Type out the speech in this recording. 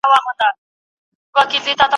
چي غوږونو ته مي شرنګ د پایل راسي